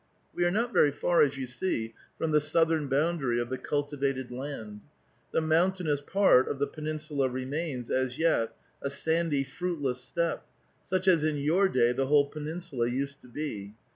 "We are not very far, as you see, from the southern boundary of the cultivated land ; the mountainous part of the peninsula remains, as yet, a sandy, fruitless steppe, such as, in 3'our day, the whole peninsula used to be.